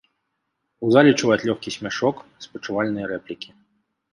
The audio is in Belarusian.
У зале чуваць лёгкі смяшок, спачувальныя рэплікі.